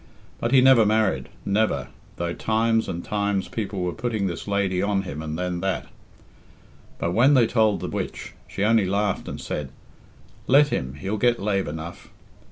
But he never married, never, though times and times people were putting this lady on him and then that; but when they told the witch, she only laughed and said, 'Let him, he'll get lave enough!'